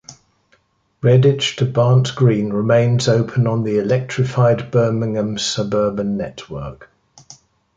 Redditch to Barnt Green remains open on the electrified Birmingham suburban network.